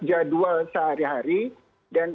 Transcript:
jadwal sehari hari dan